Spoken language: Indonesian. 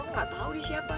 aku gak tau dia siapa